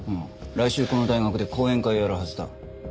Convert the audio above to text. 来週この大学で講演会をやるはずだ。